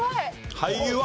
俳優は？